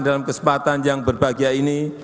dalam kesempatan yang berbahagia ini